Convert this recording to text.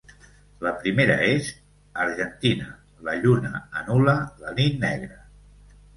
La primera és “Argentina, la lluna anul·la la nit negra”.